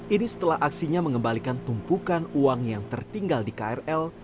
ini setelah aksinya mengembalikan tumpukan uang yang tertinggal di krl